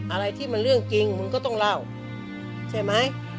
อะไรที่มันเรื่องจริงมึงก็ต้องเล่าใช่ไหม